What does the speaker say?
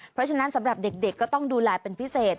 เพราะฉะนั้นสำหรับเด็กก็ต้องดูแลเป็นพิเศษ